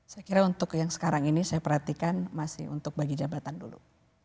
saya kira untuk yang sekarang ini saya perhatikan masih untuk bagi jabatan dulu